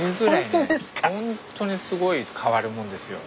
ホントにすごい変わるもんですよ。